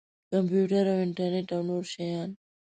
کمپیوټر او انټرنټ او نور شیان.